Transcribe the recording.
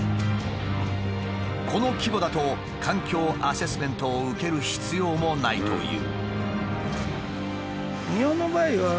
この規模だと環境アセスメントを受ける必要もないという。